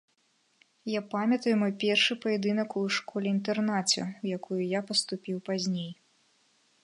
Я памятаю мой першы паядынак у школе-інтэрнаце, у якую я паступіў пазней.